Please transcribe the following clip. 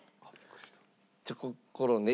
チョココロネ。